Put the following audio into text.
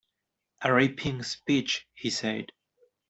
“A ripping speech,” he said.